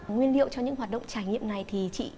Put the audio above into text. nguyên liệu cho những hoạt động trải nghiệm này thì chị